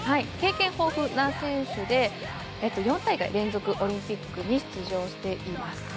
経験豊富な選手で４大会連続オリンピックに出場しています。